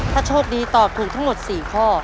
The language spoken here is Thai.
ถ้าโชคดีตอบถูกทั้งหมด๔ข้อ